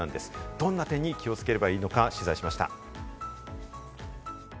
どんな点に気をつければいいのか取材しました。